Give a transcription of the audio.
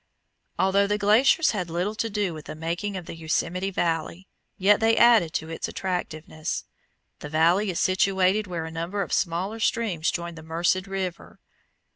Although the glaciers had little to do with the making of the Yosemite Valley, yet they added to its attractiveness. The valley is situated where a number of smaller streams join the Merced River.